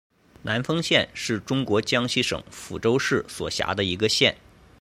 南丰县是中国江西省抚州市所辖的一个县。